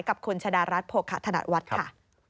กับคุณชะดารัชโภคธนัดวัดค่ะ